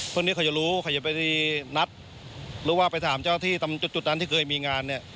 พวกนี้เขาจะรู้เขาจะไปนัดหรือว่าไปถามเจ้าที่จุดนั้นที่เคยมีงานเนี่ย